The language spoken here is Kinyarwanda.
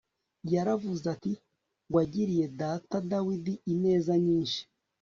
yaravuze ati wagiriye data dawidi ineza nyinshi